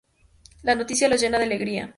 La noticia los llena de alegría.